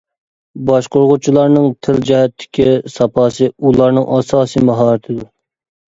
باشقۇرغۇچىلارنىڭ تىل جەھەتتىكى ساپاسى ئۇلارنىڭ ئاساسىي ماھارىتىدۇر.